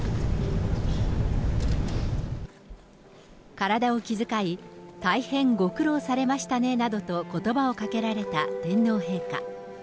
体を気遣い、大変ご苦労されましたねなどと、ことばをかけられた天皇陛下。